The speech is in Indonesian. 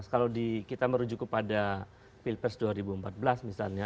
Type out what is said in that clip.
kalau kita merujuk kepada pilpres dua ribu empat belas misalnya